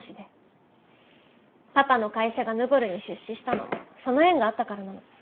パパの会社がヌボルに出資したのもその縁があったからなの。